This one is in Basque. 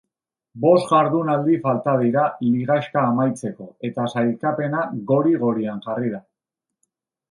Bost jardunaldi falta dira ligaxka amaitzeko eta sailkapena gori-gorian jarri da.